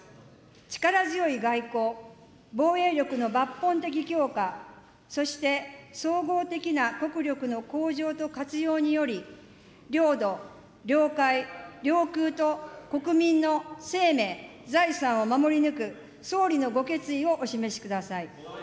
力強い外交、防衛力の抜本的強化、そして総合的な国力の向上と活用により、領土、領海、領空と国民の生命、財産を守り抜く、総理のご決意をお示しください。